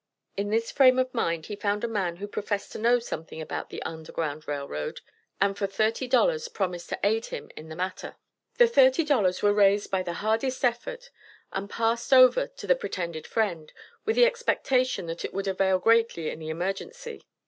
In this frame of mind he found a man who professed to know something about the Underground Rail Road, and for "thirty dollars" promised to aid him in the matter. The thirty dollars were raised by the hardest effort and passed over to the pretended friend, with the expectation that it would avail greatly in the emergency.